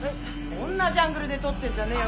おんなじアングルで撮ってんじゃねえよ